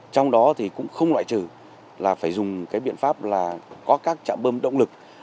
trong đó cũng không loại trừ là phải dùng biện pháp có các trạm bơm động lực